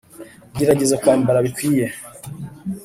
gerageza kwambara bikwiye.